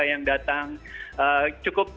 yang datang cukup